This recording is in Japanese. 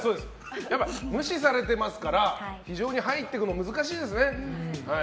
無視されてますから入っていくのが難しいですね。